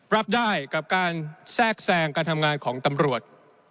รับได้กับการแทรกแทรงการทำงานของตำรวจ